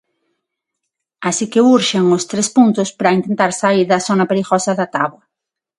Así que urxen os tres puntos para intentar saír da zona perigosa da táboa.